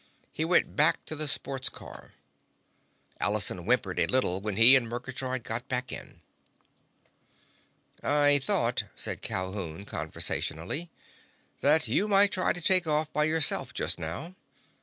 He went back to the sports car. Allison whimpered a little when he and Murgatroyd got back in. "I thought," said Calhoun conversationally, "that you might try to take off by yourself, just now.